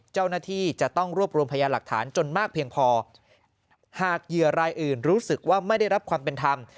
เจ้าหน้าที่จะต้องรวบรวมพยานหลักฐานจนมากเพียงพอหากเหยื่อรายอื่นรู้สึกว่าไม่ได้รับความเป็นธรรม